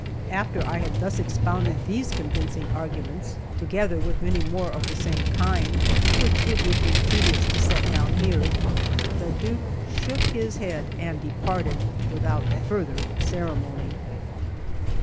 After I had thus expounded these convincing arguments, together with many more of the same kind, which it would be tedious to set down here, the Duke shook his head and departed without further ceremony.